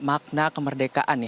makna kemerdekaan nih